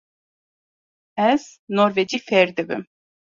Ez norwecî fêr dibim.